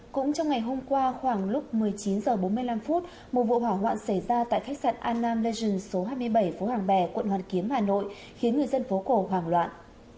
cũng trong ngày hôm qua khoảng lúc một mươi chín h bốn mươi năm một vụ hỏa hoạn xảy ra tại khách sạn anam legen số hai mươi bảy phố hàng bè quận hoàn kiếm hà nội khiến người dân phố cổ hoảng loạn